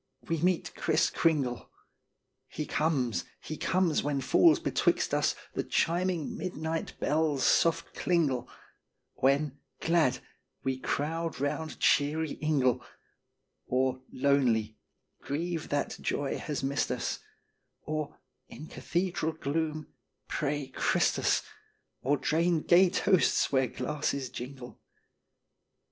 we meet " Kriss Kringle"; He comes, he comes when falls betwixt us The chiming midnight bells' soft klingle, When, glad, we crowd round cheery ingle, Or, lonely, grieve that joy has missed us; Or, in cathedral gloom, pray Christus; Or drain gay toasts where glasses jingle.